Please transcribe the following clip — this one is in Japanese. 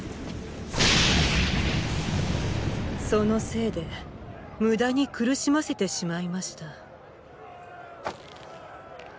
そのせいで無駄に苦しませてしまいました。